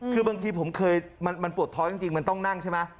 คือบางทีผมเคยมันปวดท้องจริงมันต้องนั่งใช่ไหม